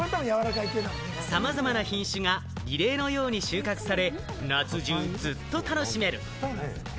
さまざまな品種がリレーのように収穫され、夏中ずっと楽しめる。